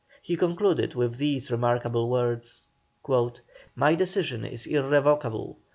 He concluded with these remarkable words: "My decision is irrevocable.